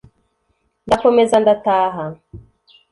ndakomeza ndataha